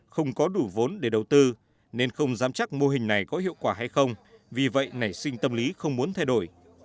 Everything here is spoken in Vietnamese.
không có đủ vốn để đầu tư nên không dám chắc mô hình này có hiệu quả hay không vì vậy nảy sinh tâm lý không muốn thay đổi